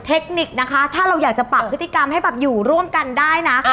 เทคนิคนะคะถ้าเราอยากจะปรับพฤติกรรมให้แบบอยู่ร่วมกันได้นะ